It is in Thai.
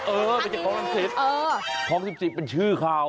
เออไม่ใช่ของรังสิตของ๑๗เป็นชื่อเขา